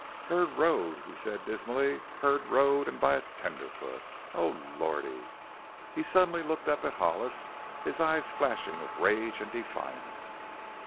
"Herd rode!" he said dismally. "Herd rode, an' by a tenderfoot! Oh, Lordy!" He suddenly looked up at Hollis, his eyes flashing with rage and defiance.